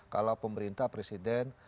kalau pemerintah presiden